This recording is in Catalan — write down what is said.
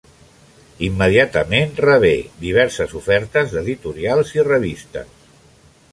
Immediatament rebé diverses ofertes d'editorials i revistes.